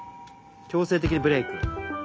強制的ブレーク。